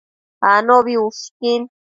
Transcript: Anobi ushquin